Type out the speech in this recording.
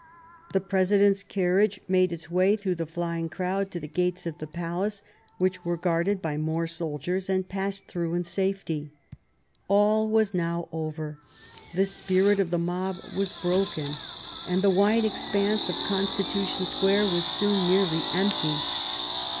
The President's carriage made its way through the flying crowd to the gates of the palace, which were guarded by more soldiers, and passed through in safety. All was now over. The spirit of the mob was broken and the wide expanse of Constitution Square was soon nearly empty.